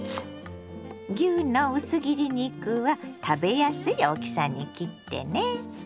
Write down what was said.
牛の薄切り肉は食べやすい大きさに切ってね。